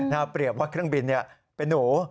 เอาเปรียบว่าเครื่องบินเป็นหนู